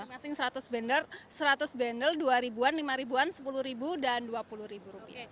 masing seratus bendel seratus bendel dua an lima an sepuluh dan dua puluh rupiah